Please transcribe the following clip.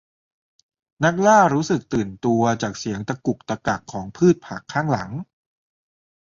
นักล่ารู้สึกตื่นตัวจากเสียงตะกุกตะกักของพืชผักข้างหลัง